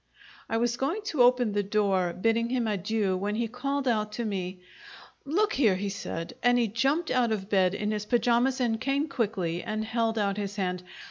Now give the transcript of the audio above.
I was going to open the door, bidding him adieu, when he called out to me. "Look here!" he said, and he jumped out of bed in his pajamas and came quickly, and held out his hand.